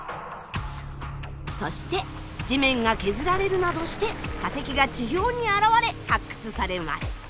そして地面が削られるなどして化石が地表に現れ発掘されます。